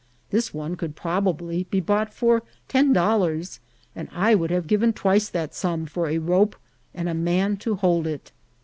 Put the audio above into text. This one could probably be bought for ten dollars, and I would have given twice that sum for a rope and a man to hold it.